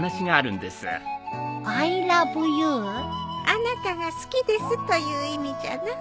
「あなたが好きです」という意味じゃな。